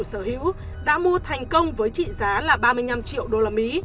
lan đứng tên chủ sở hữu đã mua thành công với trị giá ba mươi năm triệu usd